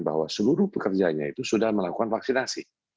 bahwa seluruh pekerjanya itu sudah melakukan vaksinasi